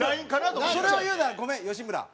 それを言うならごめん吉村。